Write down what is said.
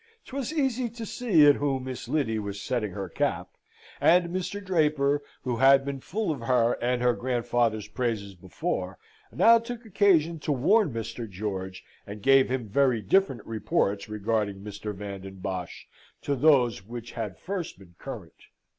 'Twas easy to see at whom Miss Lyddy was setting her cap, and Mr. Draper, who had been full of her and her grandfather's praises before, now took occasion to warn Mr. George, and gave him very different reports regarding Mr. Van den Bosch to those which had first been current.